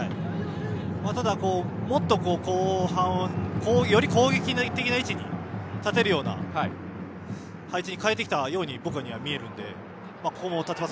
ただ、後半はより攻撃的な位置に立てるような配置に変えてきたように僕には見えるので。